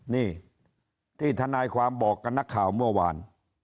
นี่ที่ทนายความบอกกับนักข่าวเมื่อวาน